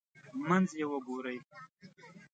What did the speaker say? منځ یې وګورئ.